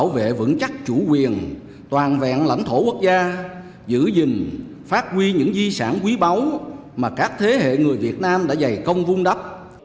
để vững chắc chủ quyền toàn vẹn lãnh thổ quốc gia giữ gìn phát huy những di sản quý báu mà các thế hệ người việt nam đã dày công vung đắp